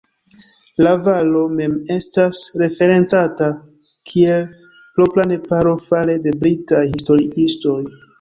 La valo mem estas referencata kiel "Propra Nepalo" fare de britaj historiistoj.